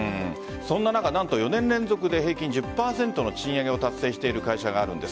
そんな中４年連続で平均１０％の賃上げを達成している会社があるんです。